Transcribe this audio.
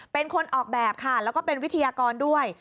เป็นคนออกแบบค่ะแล้วก็เป็นวิทยากรด้วย